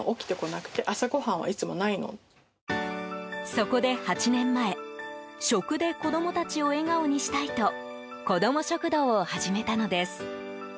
そこで８年前食で子供たちを笑顔にしたいと子ども食堂を始めたのです。